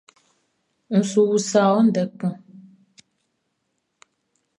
N su usa wɔ ndɛ kun.